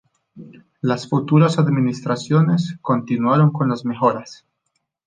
Las futuras administraciones continuaron con las mejoras.